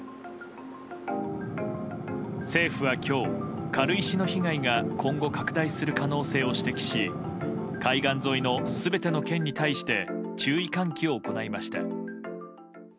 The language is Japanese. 政府は今日、軽石の被害が今後拡大する可能性を指摘し海岸沿いの全ての県に対して注意喚起を行いました。